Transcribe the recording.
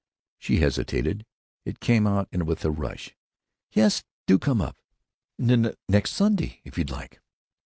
She hesitated. It came out with a rush. "Yes. Do come up. N next Sunday, if you'd like."